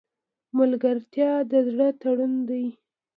ملګرتیا د زړه تړون دی.